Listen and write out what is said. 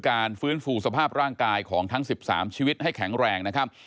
การฟื้นฟูสภาพร่างกายของทั้ง๑๓ชีวิตให้แข็งแรงนะครับ